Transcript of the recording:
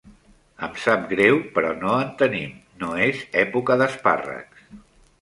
Em sap greu, però no en tenim, no és època d'espàrrecs.